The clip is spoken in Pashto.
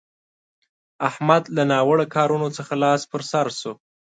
احمد له ناوړه کارونه څخه لاس پر سو شو.